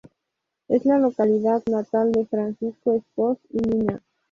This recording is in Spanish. Es la localidad natal de Francisco Espoz y Mina.